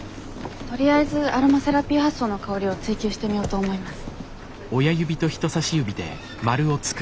とりあえずアロマセラピー発想の香りを追求してみようと思います。